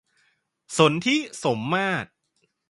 สนธิ สมมาตร